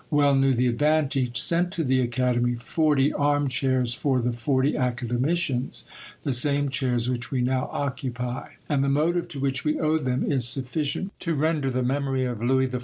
well knew the advantage, sent to the Academy forty arm chairs for the forty academicians, the same chairs which we now occupy; and the motive to which we owe them is sufficient to render the memory of Louis XIV.